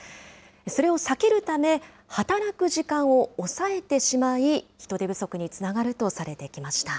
それを避けるため、働く時間を抑えてしまい、人手不足につながるとされてきました。